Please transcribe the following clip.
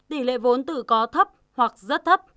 tỷ lệ vốn tự có thấp hoặc rất thấp